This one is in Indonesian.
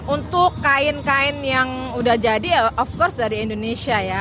untuk kain kain yang udah jadi ya of course dari indonesia ya